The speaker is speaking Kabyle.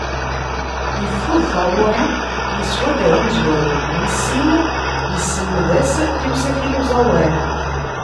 Yeffud taγuṛi yeswa-d γer umezwaru, wis sin yesselmed-as tiwsatin n uẓawan.